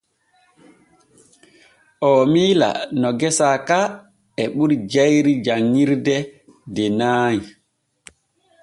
Oo miila no gesa ka e ɓuri jayri janŋirde de nay.